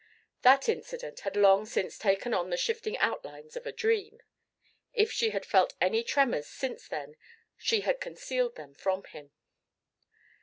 That incident had long since taken on the shifting outlines of a dream. If she had felt any tremors since then she had concealed them from him.